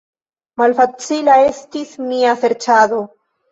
Malfacila estis mia serĉado.